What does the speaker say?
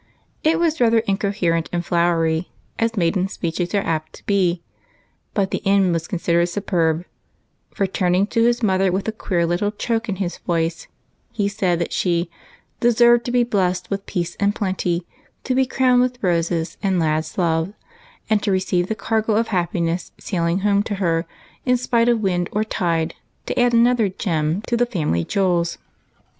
It was rather incoherent and flowery, as maiden speeches are apt to be, but the end was con sidered superb ; for, turning to his mother with a queer little choke in his voice, he said that she " deserved to be blessed with peace and plenty, to be crowned with roses and lads love, and to receive the cargo of happi ness sailing home to her in spite of wind or tide to add another Jem to the family jewels."